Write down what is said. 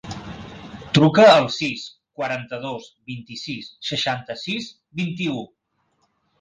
Truca al sis, quaranta-dos, vint-i-sis, seixanta-sis, vint-i-u.